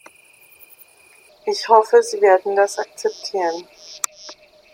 Ich hoffe, Sie werden das akzeptieren.